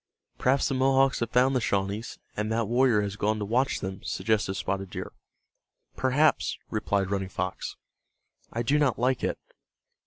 "Perhaps the Mohawks have found the Shawnees, and that warrior has gone to watch them," suggested Spotted Deer. "Perhaps," replied Running Fox. "I do not like it.